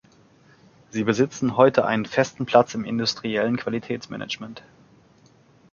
Sie besitzen heute einen festen Platz im industriellen Qualitätsmanagement.